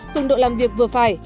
cường độ làm việc vừa phải